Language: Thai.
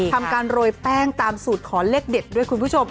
ทำการโรยแป้งตามสูตรขอเลขเด็ดด้วยคุณผู้ชม